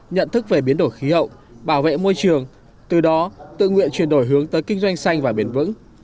nhận thức về biến đổi khí hậu bảo vệ môi trường từ đó tự nguyện chuyển đổi hướng tới kinh doanh xanh và bền vững